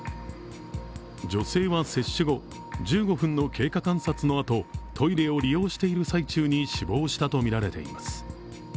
女性は接種後、１５分の経過観察のあとトイレを利用している最中に死亡したとみられます。